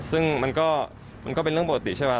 ซึ่งมันก็เป็นเรื่องปกติใช่ไหม